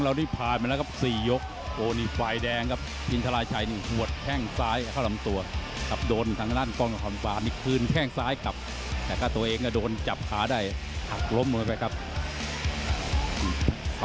ลำบากเลยแทงย้อนสอนเนี่ยถ้าแทงย้อนสอนโดนที่โครงอ่อนมันจุกมันเสียดเนี่ย